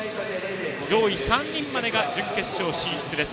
上位３人までが準決勝進出です。